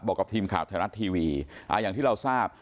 บอกกับทีมขาบธรรมดาทีวีอย่างที่เราทราบ